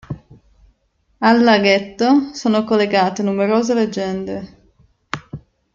Al laghetto sono collegate numerose leggende.